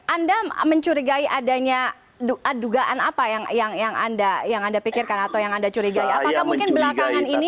anda mencurigai adanya dugaan apa yang anda pikirkan atau yang anda curigai apakah mungkin belakangan ini